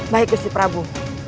baik gusti prabu